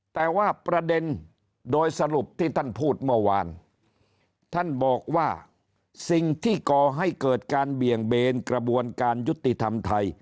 แต่ว่าประเด็นโดยสรุปที่ท่านพูดเมื่อวานท่านบอกว่าสิ่งที่ก่อให้เกิดการเบี่ยงเบนกระบวนการยุติธรรมไทย